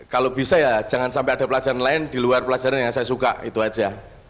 kalau bisa ya jangan sampai ada pelajaran lain di luar pelajaran yang saya suka itu aja